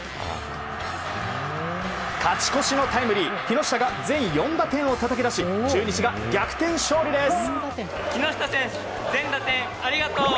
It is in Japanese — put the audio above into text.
勝ち越しのタイムリー木下が全４打点をたたき出し中日が逆転勝利です。